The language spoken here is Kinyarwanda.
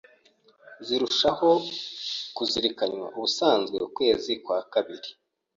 zirushwaho kuzirikanwa. Ubusanzwe, ukwezi kwa kabiri